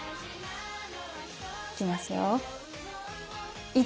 いきますよ。